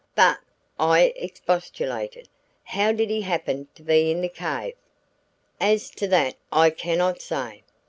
'" "But," I expostulated, "how did he happen to be in the cave?" "As to that I cannot say.